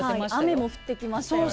雨も降ってきましたよね。